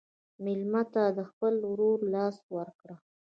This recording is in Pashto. مېلمه ته د خپل ورور لاس ورکړه.